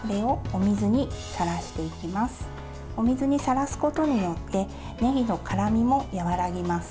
お水にさらすことによってねぎの辛みも和らぎます。